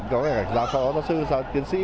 có cả giáo phó giáo sư giáo tiến sĩ